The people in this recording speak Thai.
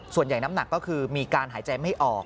ส่วนใหญ่น้ำหนักก็คือมีการหายใจไม่ออก